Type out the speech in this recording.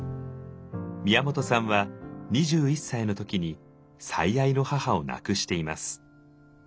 宮本さんは２１歳の時に最愛の母を亡くしています。